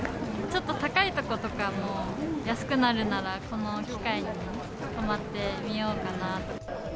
ちょっと高いとことかも安くなるならこの機会に泊まってみようかなと。